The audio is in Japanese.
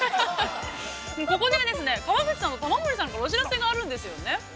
◆ここで、川口さんと玉森さんからお知らせがあるんですよね。